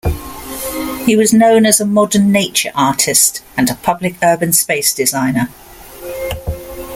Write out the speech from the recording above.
He was known as a modern nature artist and a public urban space designer.